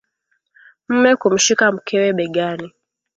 Mume kumshika mkewe begani